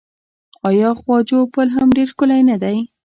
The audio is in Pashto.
آیا خواجو پل هم ډیر ښکلی نه دی؟